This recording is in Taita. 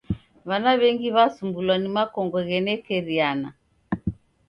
W'ana w'engi w'asumbulwa ni makongo ghenekeriana.